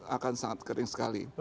akan sangat kering sekali